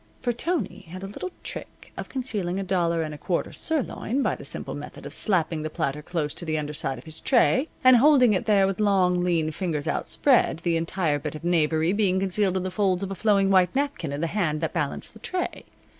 For Tony had a little trick of concealing a dollar and a quarter sirloin by the simple method of slapping the platter close to the underside of his tray and holding it there with long, lean fingers outspread, the entire bit of knavery being concealed in the folds of a flowing white napkin in the hand that balanced the tray.